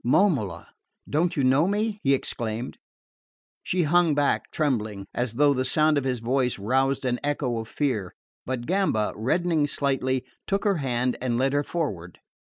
"Momola don't you know me?" he exclaimed. She hung back trembling, as though the sound of his voice roused an echo of fear; but Gamba, reddening slightly, took her hand and led her forward.